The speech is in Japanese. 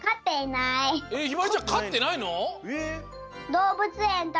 えっひまりちゃんかってないの？